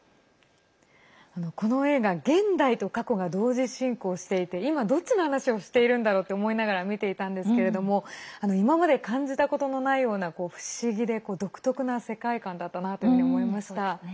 この映画、現代と過去が同時進行していて今、どっちの話をしているんだろうって思いながら見ていたんですけれども今まで感じたことのないような不思議で独特な世界観だったなというように思いました。